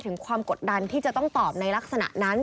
ถึงความกดดันที่จะต้องตอบในลักษณะนั้น